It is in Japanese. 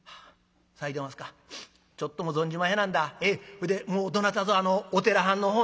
ほいでもうどなたぞお寺はんのほうには？」。